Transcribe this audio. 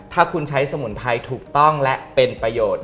ถ้าคุณใช้สมุนไพรถูกต้องและเป็นประโยชน์